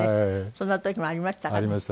そんな時もありましたか。